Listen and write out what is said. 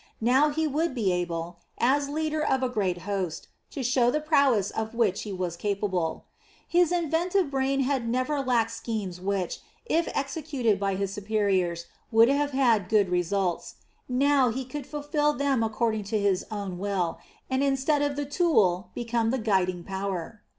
Now he would be able, as leader of a great host, to show the prowess of which he was capable. His inventive brain had never lacked schemes which, if executed by his superiors, would have had good results; now he could fulfil them according to his own will, and instead of the tool become the guiding power.